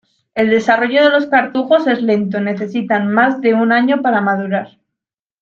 El desarrollo de los cartujos es lento: Necesitan más de un año para madurar.